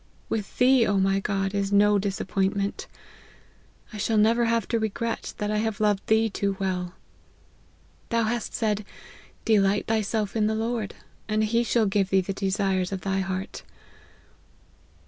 With thee, O my God, is no disappointment. I shall never have to regret, that I have loved thee too well. Thou hast said, 6 delight thyself in the Lord, and he shall give thee the desires of thy heart.'